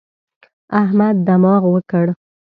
احمد دماغ وکړ.